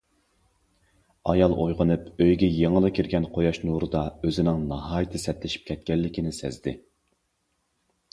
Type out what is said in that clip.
ئايال ئويغىنىپ ئۆيگە يېڭىلا كىرگەن قۇياش نۇرىدا ئۆزىنىڭ ناھايىتى سەتلىشىپ كەتكەنلىكىنى سەزدى.